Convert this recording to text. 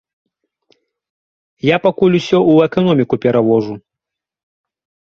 Я пакуль усё ў эканоміку перавожу.